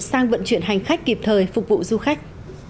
sang vận chuyển hành khách kịp thời phục vụ du khách